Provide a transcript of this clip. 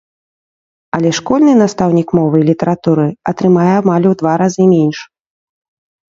Але школьны настаўнік мовы і літаратуры атрымае амаль у два разы менш!